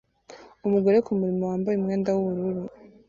umugore kumurimo wambaye umwenda w'ubururu